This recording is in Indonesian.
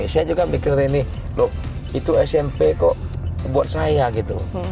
saya juga mikir ini loh itu smp kok buat saya gitu